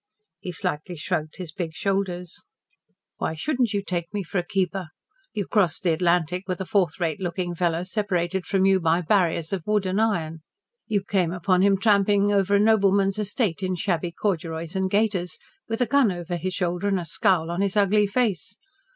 He slightly shrugged his big shoulders. "Why shouldn't you take me for a keeper? You crossed the Atlantic with a fourth rate looking fellow separated from you by barriers of wood and iron. You came upon him tramping over a nobleman's estate in shabby corduroys and gaiters, with a gun over his shoulder and a scowl on his ugly face.